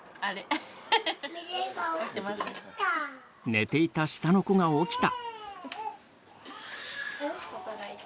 寝ていた下の子が起きた。